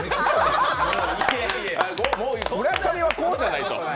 村上はこうじゃないと。